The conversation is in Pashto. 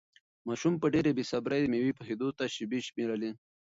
ماشوم په ډېرې بې صبري د مېوې پخېدو ته شېبې شمېرلې.